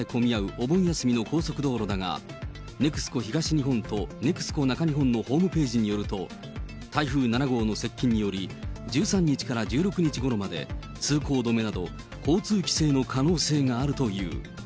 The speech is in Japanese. お盆休みの高速道路だが、ＮＥＸＣＯ東日本とＮＥＸＣＯ中日本のホームページによると、台風７号の接近により、１３日から１６日ごろまで通行止めなど、交通規制の可能性があるという。